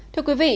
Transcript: thưa quý vị